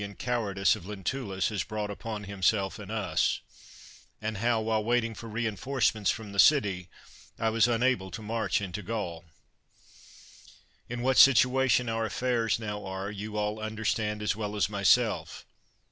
219 THE WORLD'S FAMOUS ORATIONS Lentulus has brought upon himself and us ; and how, while waiting for reinforcements from the city, I was unable to march into Qaul. In what situation our affairs now are, you all understand as well as myself.